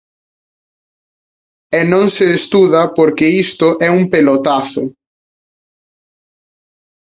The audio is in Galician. E non se estuda porque isto é un pelotazo.